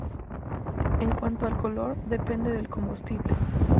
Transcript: En cuanto al color, depende del combustible.